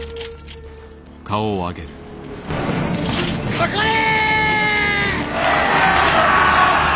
かかれ！